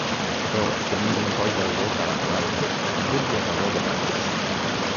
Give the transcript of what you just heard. Tots tenien un coll d'auró caragolat amb un diapasó de banús.